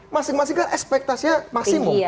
masing masing kan ekspektasinya maksimum